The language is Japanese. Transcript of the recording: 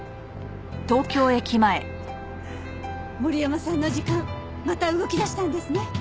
森山さんの時間また動き出したんですね。